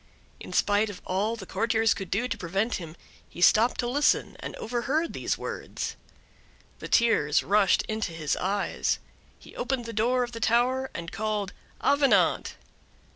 In spite of all the courtiers could do to prevent him, he stopped to listen, and overheard these words. The tears rushed into his eyes; he opened the door of the tower, and called: "Avenant!"